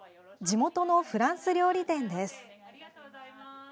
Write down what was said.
地元のフランス料理店です。